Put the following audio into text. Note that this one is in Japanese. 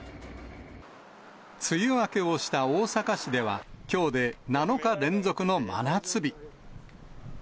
梅雨明けをした大阪市では、きょうで７日連続の真夏日。